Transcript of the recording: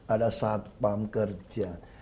ada satpam kerja